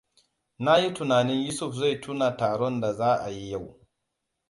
Na yi tunanin Yusuf zai tuna taron da za a yi yau.